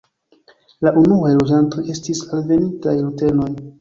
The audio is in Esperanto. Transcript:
La unuaj loĝantoj estis alvenintaj rutenoj.